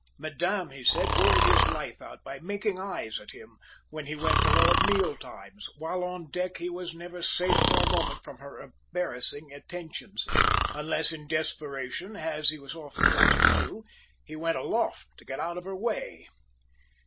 Madame, he said, worried his life out by "making eyes" at him when he went below at meal times, while on deck he was never safe for a moment from her embarrassing attentions unless, in desperation, as he was often forced to do, he went aloft to get out of her way.